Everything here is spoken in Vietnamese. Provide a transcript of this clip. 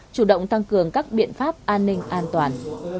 chủ động tăng cường các biện pháp an ninh an toàn